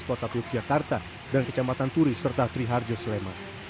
kota yogyakarta dan kecamatan turi serta triharjo sleman